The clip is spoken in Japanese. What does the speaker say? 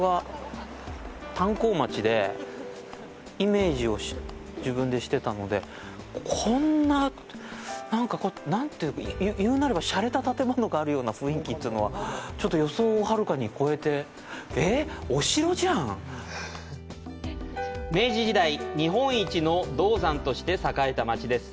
イメージを自分でしてたので、こんな、なんか、なんていうのか、言うなればシャレた建物があるような雰囲気というのはちょっと予想をはるかに超えて明治時代、日本一の銅山として栄えた町です。